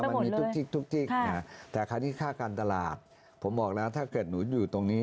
มันนี่ทุกแต่คราวนี้ค่าการตลาดผมบอกนะถ้าเกิดหนูอยู่ตรงนี้